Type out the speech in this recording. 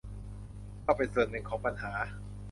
ก็เป็นส่วนหนึ่งของปัญหา